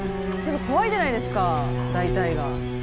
ちょっと怖いじゃないですか大体が。